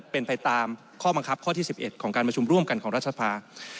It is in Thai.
เป็นไปตามข้อบังคับข้อที่๑๑ของการประชุมร่วมกันของรัฐสภา